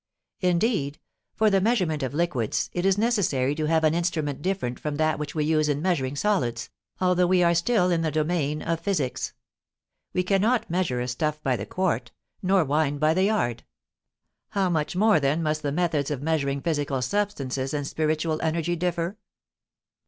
Indeed, for the measurement of liquids it is necessary to have an instrument different from that which we use in measuring solids, although we are still in the domain of physics; we cannot measure a stuff by the quart, nor wine by the yard; how much more then must the methods of measuring physical substances and spiritual energy differ?